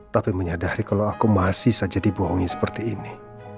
tapi menyadari kalau aku masih saja dibohongi seperti ini